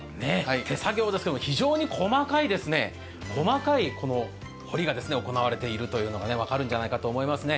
手作業ですけど、非常に細かい彫りが行われているのが分かると思います。